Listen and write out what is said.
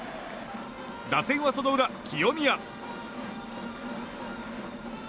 打線はその裏、清宮。